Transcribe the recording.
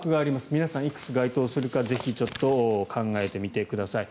皆さん、いくつ該当するかぜひ考えてみてください。